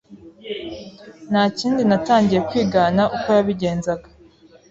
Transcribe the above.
ntakindi natangiye kwigana uko yabigenzaga.